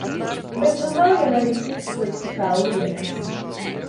Bet nu nav jau arī tik slikti kā liekas.